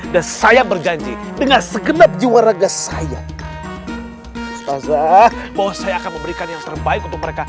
dan saya berjanji dengan segenap jiwa raga saya ustadzah bahwa saya akan memberikan yang terbaik untuk mereka